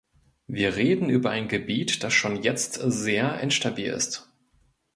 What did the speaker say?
Wir reden über ein Gebiet, das schon jetzt sehr instabil ist.